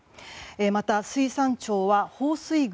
また、水産庁は放水口